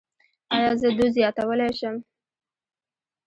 ایا زه دوز زیاتولی شم؟